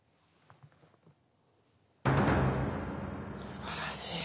すばらしい。